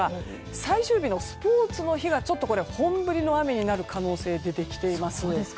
最終日のスポーツの日が本降りの雨になる可能性が出てきています。